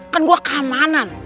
kan gue keamanan